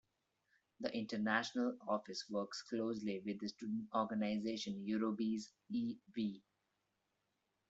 The international office works closely with the student organization Eurobiz e.V.